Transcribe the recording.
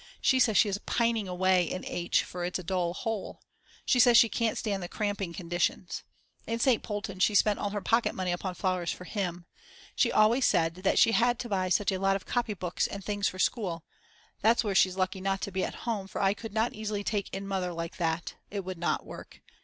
She says she is pining away in H. for it's a dull hole. She says she can't stand these cramping conditions. In St. Polten she spent all her pocket money upon flowers for him. She always said that she had to buy such a lot of copybooks and things for school. That's where she's lucky not to be at home, for I could not easily take in Mother like that. It would not work.